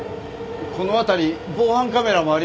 この辺り防犯カメラもありません。